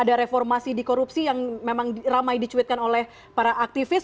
ada reformasi di korupsi yang memang ramai dicuitkan oleh para aktivis